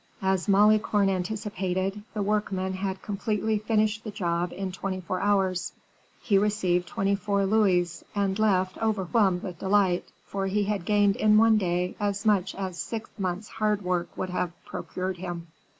As Malicorne anticipated, the workman had completely finished the job in twenty four hours; he received twenty four louis, and left, overwhelmed with delight, for he had gained in one day as much as six months' hard work would have procured him.